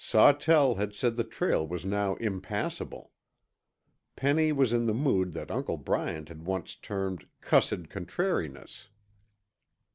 Sawtell had said the trail was now impassable. Penny was in the mood that Uncle Bryant had once termed "cussed contrariness."